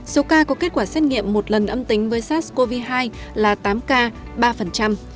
số ca có kết quả xét nghiệm một lần âm tính với sars cov hai là tám ca ba